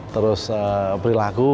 terus beri lagu